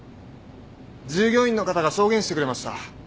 従業員の方が証言してくれました。